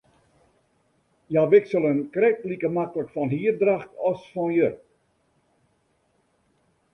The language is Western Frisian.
Hja wikselen krekt like maklik fan hierdracht as fan jurk.